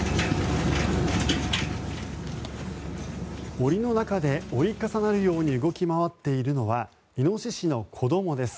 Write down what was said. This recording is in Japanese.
檻の中で織り重なるように動き回っているのはイノシシの子どもです。